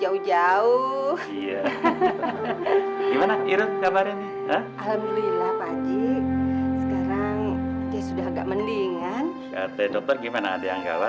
umi sama abah kenapa sih